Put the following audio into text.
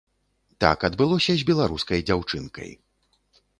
Так адбылося з беларускай дзяўчынкай.